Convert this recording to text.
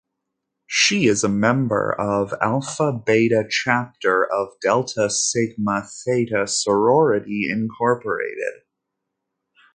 She is member of Alpha Beta Chapter of Delta Sigma Theta Sorority Incorporated.